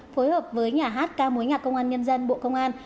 phối hợp với nhà hát ca mối nhạc công an nhân dân bộ công an